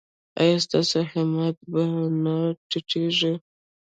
ایا ستاسو همت به نه ټیټیږي؟